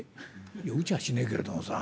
「いや撃ちゃしねえけれどもさ。